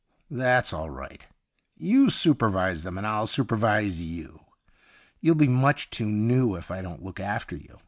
' That's all right ; you supervise them and I'll supervise you. You'll be much too new if I don't look after you.